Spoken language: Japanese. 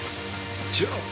じゃあ。